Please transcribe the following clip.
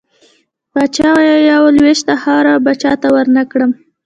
پاچا وويل: يوه لوېشت خاوړه به چاته ورنه کړه .